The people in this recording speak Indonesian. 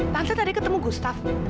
tante tadi ketemu gustaf